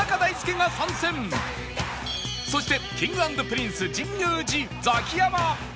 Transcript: そして Ｋｉｎｇ＆Ｐｒｉｎｃｅ 神宮寺ザキヤマ